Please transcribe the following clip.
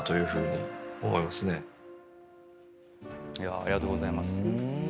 ありがとうございます。